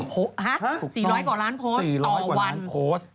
โอ้โฮฮะ๔๐๐กว่าล้านโพสต์ต่อวัน๔๐๐กว่าล้านโพสต์